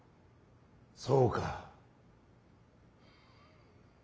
そうか。